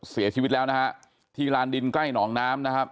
เสียชีวิตแล้วนะฮะที่ลานดินใกล้หนองน้ำนะครับ